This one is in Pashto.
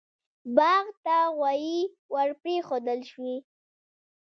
باغ ته غواوې ور پرېښودل شوې.